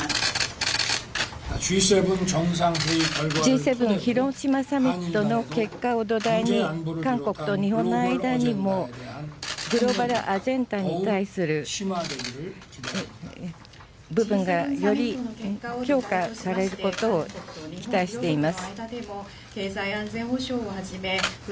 Ｇ７広島サミットの結果を土台に、韓国と日本の間にもグローバルアジェンダに対する部分がより強化されることを期待しています。